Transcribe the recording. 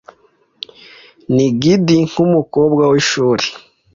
ni giddy nkumukobwa wishuri.